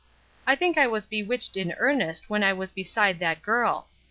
I think I was bewitched in earnest when I was beside that girl!